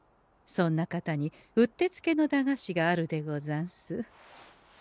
そんな方にうってつけの駄菓子があるでござんす。